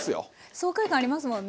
爽快感ありますもんね。